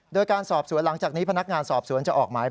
โดยการสอบสวนหลังจากนี้พนักงานสอบสวนจะออกหมาย